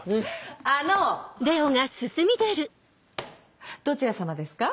あの！どちらさまですか？